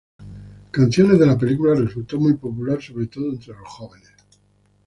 Canciones de la película resultó muy popular, sobre todo entre los jóvenes.